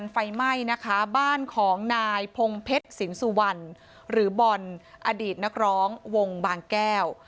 ไฟไหม้นะคะบ้านของนายพงเพชรสินสุวรรณหรือบอลอดีตนักร้องวงบางแก้ว